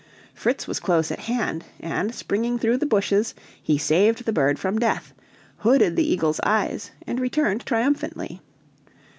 Fritz was close at hand, and springing through the bushes he saved the bird from death, hooded the eagle's eyes, and returned triumphantly.